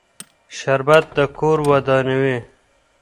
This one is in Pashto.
شربت د کور ودانوي